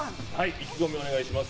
意気込みお願いします。